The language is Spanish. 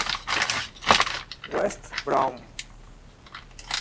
West Brom